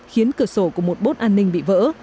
khiến cửa sổ của một bốt an ninh bị vỡ